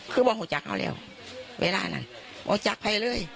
คือในคำว่าที่แข่งชาวใด